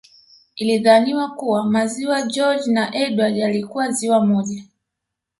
Ilidhaniwa kuwa Maziwa George na Edward yalikuwa ziwa moja